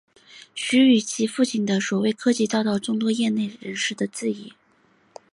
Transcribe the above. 徐与其父亲的所谓科技遭到众多业内人士的质疑。